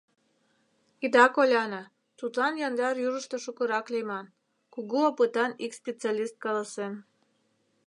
Ида коляне, тудлан яндар южышто шукырак лийман, — кугу опытан ик специалист каласен.